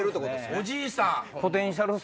おじいさん！